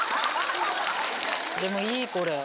でもいいこれ。